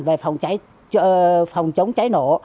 về phòng chống cháy nổ